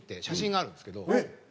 写真があるんですけど。